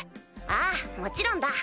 ああもちろんだ。